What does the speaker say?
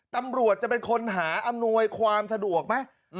ตำรวจจะเป็นคนหาอำนวยความสะดวกไหม